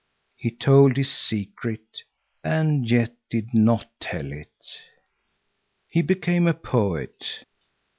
He told his secret and yet did not tell it. He became a poet.